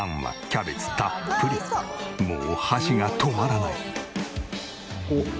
もう箸が止まらない！